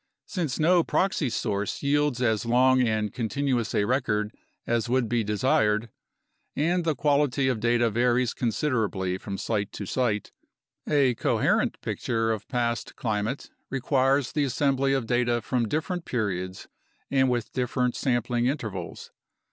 Since no proxy source yields as long and continuous a record as would be desired, and the quality of data varies considerably from site to site, a coherent picture of past climate requires the assembly of data from different periods and with different sampling intervals.